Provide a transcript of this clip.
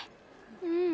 うん。